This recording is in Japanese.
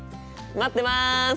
待ってます！